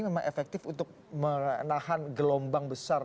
memang efektif untuk menahan gelombang besar